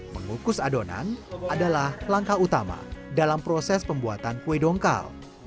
mengukus adonan adalah langkah utama dalam proses pembuatan kue dongkal